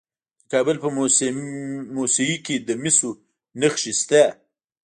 د کابل په موسهي کې د مسو نښې شته.